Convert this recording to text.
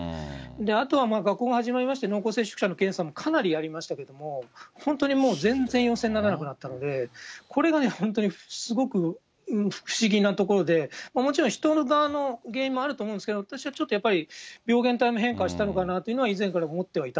あとは学校が始まりまして、濃厚接触者の検査もやりましたけれども、本当にもう全然陽性にならなくなったので、これがね、本当にすごく不思議なところで、もちろん人の側の原因もあると思うんですけれども、私はちょっと、やっぱり病原体も変化したのかなというのを以前から思ってはいた